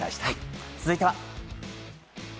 続いては。